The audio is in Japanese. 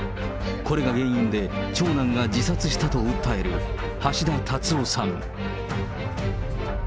これが原因で長男が自殺したと訴える橋田達夫さん。